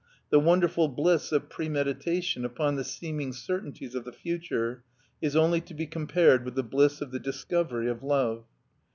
The wonderful bliss of premeditation upon the seeming certainties of the future is only to be compared with the bliss of the dis covery of love.